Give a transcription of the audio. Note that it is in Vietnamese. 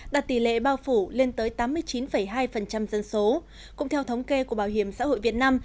đạt tỷ lệ bao phủ lên tới tám mươi chín hai dân số cũng theo thống kê của bảo hiểm xã hội việt nam